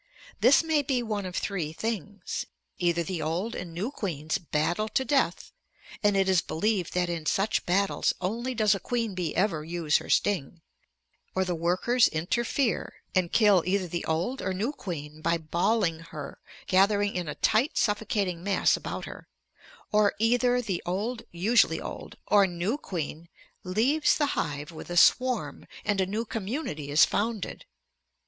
This may be one of three things: either the old and new queens battle to death, and it is believed that in such battles only does a queen bee ever use her sting, or the workers interfere and kill either the old or new queen by "balling" her (gathering in a tight suffocating mass about her), or either the old (usually old) or new queen leaves the hive with a swarm, and a new community is founded.